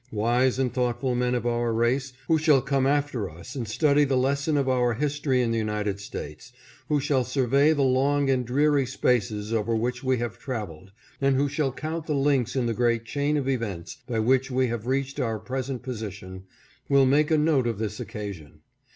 Wise and thoughtful men of our race who shall come after us and study the lesson of our history in the United States, who shall survey the long and dreary spaces over which we have traveled and who shall count the links in the great chain of events by which we have reached our present position, will make a note of this occasion.